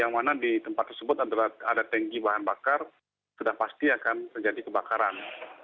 kalau hemat kami menurut kami kalau terjadi ledakan yang mana di tempat tersebut ada tanki bahan bakar sudah pasti akan terjadi kebakaran